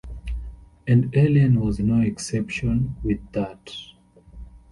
"And "Alien" was no exception with that.